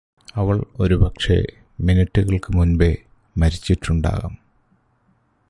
അവൾ ഒരു പക്ഷെ മിനുടുകൾക്ക് മുൻപേ മരിച്ചിട്ടുണ്ടാകാം